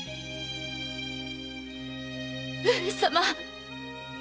上様！